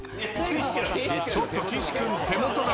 ちょっと岸君手元が。